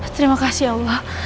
terima kasih allah